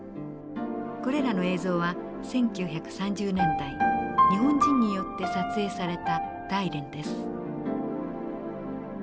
これらの映像は１９３０年代日本人によって撮影された大連です。